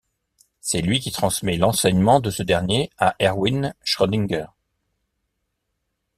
C'est lui qui transmet l'enseignement de ce dernier à Erwin Schrödinger.